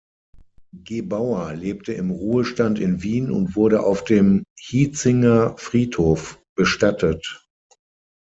Gebauer lebte im Ruhestand in Wien und wurde auf dem Hietzinger Friedhof bestattet.